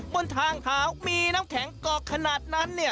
บนทางเท้ามีน้ำแข็งกรอกขนาดนั้น